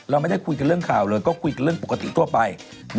เราไม่ได้คุยกันเรื่องข่าวเลยก็คุยกันเรื่องปกติทั่วไป